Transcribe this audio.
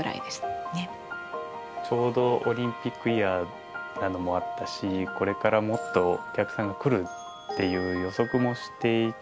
ちょうどオリンピックイヤーなのもあったしこれからもっとお客さんが来るっていう予測もしていたので。